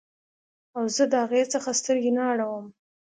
او زه د هغې څخه سترګې نه اړوم